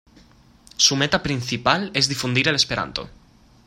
Su meta principal es difundir el esperanto.